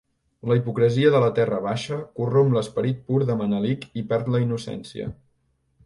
La hipocresia de la Terra baixa corromp l'esperit pur de Manelic i perd la innocència.